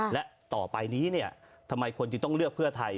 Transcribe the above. และต่อไปนี้ทำไมคนจึงต้องเลือกเพื่อไทย